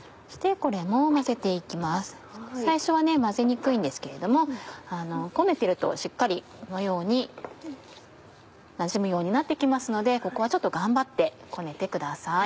最初は混ぜにくいんですけれどもこねてるとしっかりこのようになじむようになって来ますのでここはちょっと頑張ってこねてください。